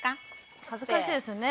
恥ずかしいですよね